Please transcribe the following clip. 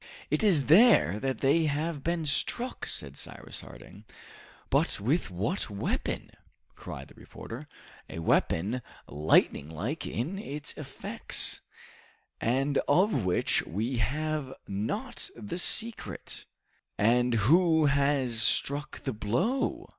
"It is there that they have been struck!" said Cyrus Harding. "But with what weapon?" cried the reporter. "A weapon, lightning like in its effects, and of which we have not the secret!" "And who has struck the blow?"